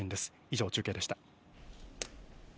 以上、中継でした。